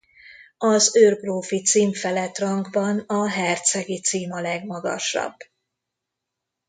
Az őrgrófi cím felett rangban a hercegi cím a legmagasabb.